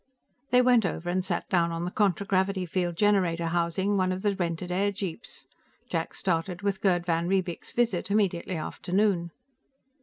They went over and sat down on the contragravity field generator housing of one of the rented airjeeps. Jack started with Gerd van Riebeek's visit immediately after noon.